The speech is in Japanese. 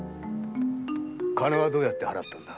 金はどうやって払ったんだ。